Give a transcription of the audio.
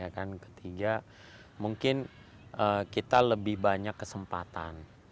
ketiga mungkin kita lebih banyak kesempatan